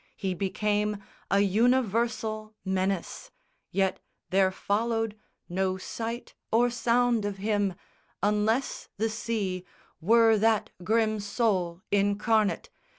He became A universal menace; yet there followed No sight or sound of him, unless the sea Were that grim soul incarnate.